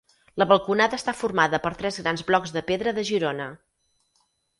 La balconada està formada per tres grans blocs de pedra de Girona.